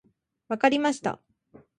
分かりました。